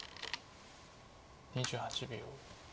２８秒。